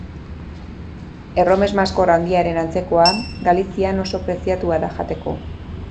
Erromes-maskor handiaren antzekoa, Galizian oso preziatua da jateko.